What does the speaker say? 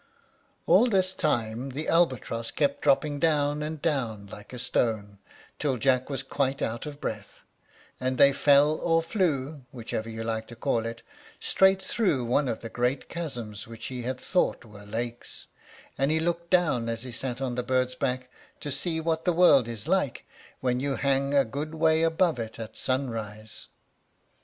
_ All this time the albatross kept dropping down and down like a stone, till Jack was quite out of breath, and they fell or flew, whichever you like to call it, straight through one of the great chasms which he had thought were lakes, and he looked down, as he sat on the bird's back, to see what the world is like when you hang a good way above it at sunrise.